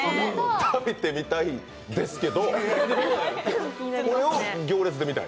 食べてみたいですけど、これを「行列」で見たん？